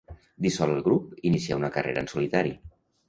Dissolt el grup, inicià una carrera en solitari.